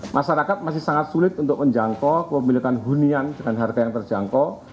masyarakat masih sangat sulit untuk menjangkau kepemilikan hunian dengan harga yang terjangkau